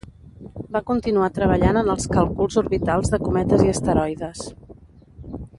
Va continuar treballant en els càlculs orbitals de cometes i asteroides.